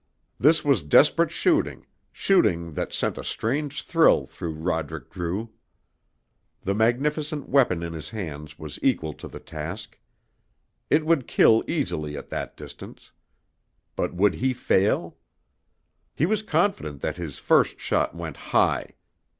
This was desperate shooting, shooting that sent a strange thrill through Roderick Drew. The magnificent weapon in his hands was equal to the task. It would kill easily at that distance. But would he fail? He was confident that his first shot went high.